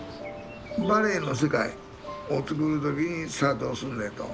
ヴァレーの世界をつくる時にさあどうすんねんと。